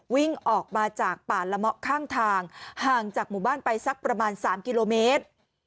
วิ่งออกมาจากป่าละเมาะข้างทางห่างจากหมู่บ้านไปสักประมาณ๓กิโลเมตร